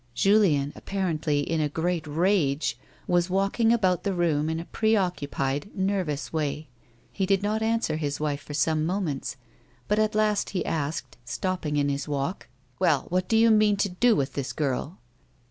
Julien, apparently in a great rage, was walking about the room in a preoccupied, nervous way. He did not answer his wife for some momentSj but at last he asked, stopping in his walk ; A WOMAN'S LIFE. 99 " Well, what do yon mean to do with this girl?